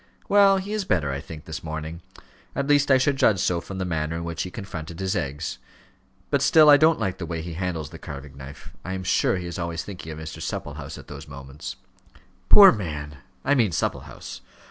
"Well, he is better, I think, this morning; at least I should judge so from the manner in which he confronted his eggs. But still I don't like the way he handles the carving knife. I am sure he is always thinking of Mr. Supplehouse at those moments." "Poor man! I mean Supplehouse.